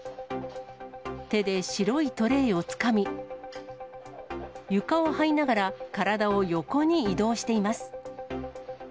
手で白いトレーをつかみ、床をはいながら、体を横に移動しています。